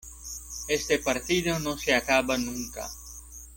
Este partido no se acaba nunca.